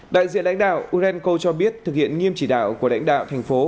đại diện đánh đạo urenco cho biết thực hiện nghiêm chỉ đạo của đánh đạo thành phố